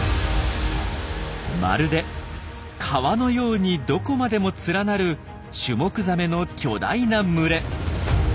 まるで川のようにどこまでも連なるシュモクザメの巨大な群れ。